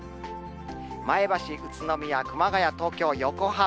前橋、宇都宮、熊谷、東京、横浜。